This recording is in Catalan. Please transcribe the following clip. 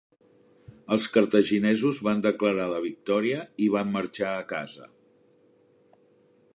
Els cartaginesos van declarar la victòria i van marxar a casa.